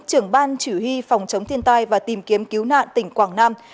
trưởng ban chỉ huy phòng chống thiên tai và tìm kiếm cứu nạn tỉnh quảng nam